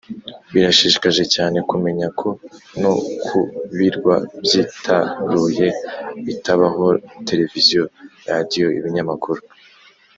Birashishikaje cyane kumenya ko no ku birwa byitaruye bitabaho televiziyo radiyo ibinyamakuru